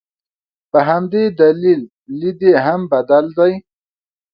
په همدې دلیل لید یې هم بدل دی.